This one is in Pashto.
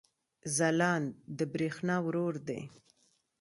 ځلاند د برېښنا ورور دی